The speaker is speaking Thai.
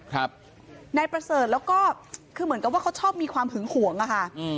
นายประเสริฐแล้วก็คือเหมือนกับว่าเขาชอบมีความหึงหวงอะค่ะอืม